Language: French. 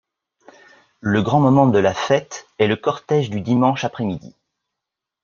Le grand moment de la fête est le cortège du dimanche après-midi.